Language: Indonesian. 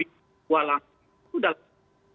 sebuah langkah itu dalam